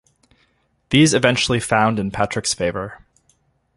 These eventually found in Patrick's favour.